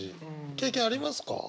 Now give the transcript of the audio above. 経験ありますか？